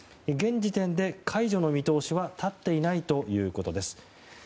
現時点で解除の見通しは立っていないということです。